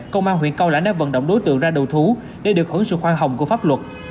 công an huyện cao lãnh đã vận động đối tượng ra đầu thú để được hưởng sự khoan hồng của pháp luật